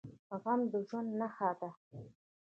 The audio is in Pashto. غنم د ژوند نښه ده.